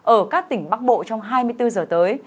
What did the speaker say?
ở các tỉnh bắc bộ trong hai mươi bốn giờ tới